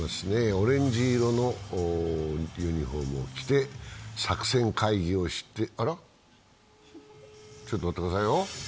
オレンジ色のユニフォームを着て、作戦会議をして、あら？ちょっと待ってくださいよ。